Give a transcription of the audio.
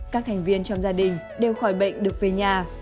các thành viên trong gia đình đều khỏi bệnh được về nhà